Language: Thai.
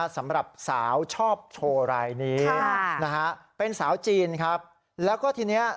สำหรับสาวชอบโชว์รายนี้นะฮะเป็นสาวจีนครับแล้วก็ทีเนี้ย